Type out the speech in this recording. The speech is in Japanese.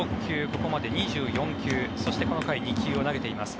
ここまで２４球そしてこの回２球を投げています。